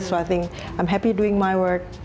saya senang melakukan kerja saya